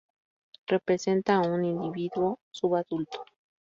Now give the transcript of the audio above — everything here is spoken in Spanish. Representa a un individuo subadulto.